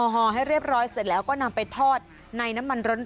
ห่อให้เรียบร้อยเสร็จแล้วก็นำไปทอดในน้ำมันร้อน